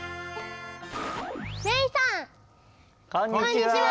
こんにちは。